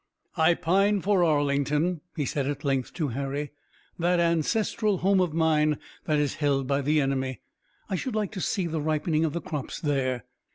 "I pine for Arlington," he said at length to Harry, "that ancestral home of mine that is held by the enemy. I should like to see the ripening of the crops there.